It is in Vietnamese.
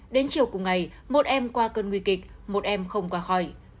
đến chiều cùng ngày một em qua cơn nguy kịch một em không qua khỏi